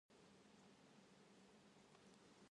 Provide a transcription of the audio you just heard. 株価が暴落だ